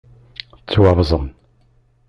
Ttwabẓen.